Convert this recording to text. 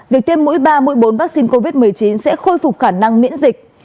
việc tiêm mũi ba mũi bốn vaccine covid một mươi chín sẽ khôi phục khả năng miễn dịch